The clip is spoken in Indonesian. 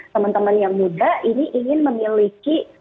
teman teman yang muda ini ingin memiliki